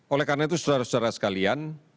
oleh karena itu saudara saudara sekalian